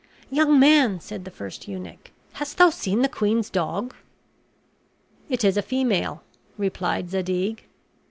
"Young man," said the first eunuch, "hast thou seen the queen's dog?" "It is a female," replied Zadig.